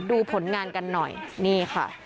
ดูผลงานกันหน่อยนี่ค่ะ